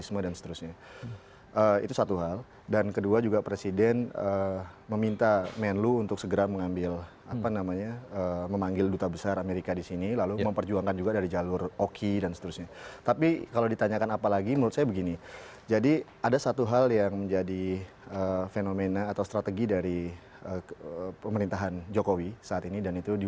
sekarang prosesnya lama sekarang tidak mati mati